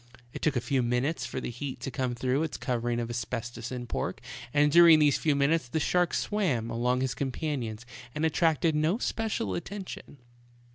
It took a few minutes for the heat to come through its covering of asbestos and pork, and during these few minutes the shark swam among his companions and attracted no special attention.